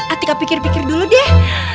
atika pikir pikir dulu deh